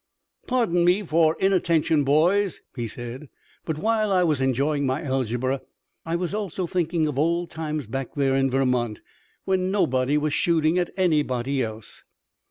"Pardon me for inattention, boys," he said, "but while I was enjoying my algebra I was also thinking of old times back there in Vermont, when nobody was shooting at anybody else."